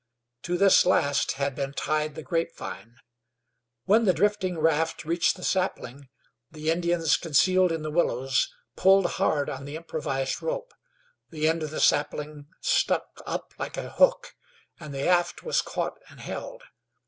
To this last had been tied the grapevine. When the drifting raft reached the sapling, the Indians concealed in the willows pulled hard on the improvised rope; the end of the sapling stuck up like a hook, and the aft was caught and held.